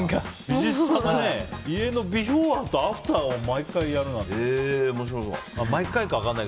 家のビフォーとアフターを毎回やるなんて。